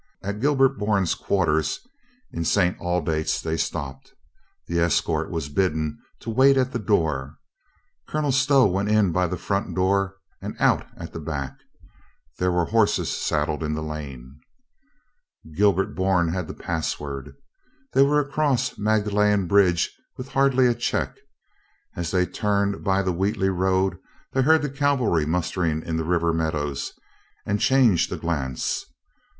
At Gilbert Bourne's quarters in St. Aldate's they stopped. The escort was bidden wait at the door. Colonel Stow went in by the front door and out at the back. There were horses saddled in the lane. Gilbert Bourne had the password. They were across Magdalen bridge with hardly a check. As they turned by the Wheatley road they heard the cavalry mustering in the river meadows, and changed a glance.